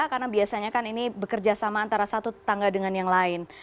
karena biasanya kan ini bekerja sama antara satu tetangga dengan yang lain